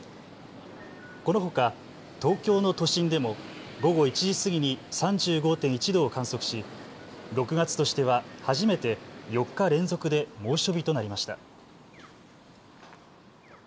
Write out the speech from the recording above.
このほか東京の都心でも午後１時過ぎに３５．１度を観測し６月としては初めて４日連続で猛暑日となりました。